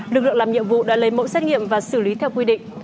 lực lượng làm nhiệm vụ đã lấy mẫu xét nghiệm và xử lý theo quy định